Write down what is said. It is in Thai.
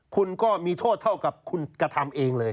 คุณก็มีโทษเท่ากับคุณกระทำเองเลย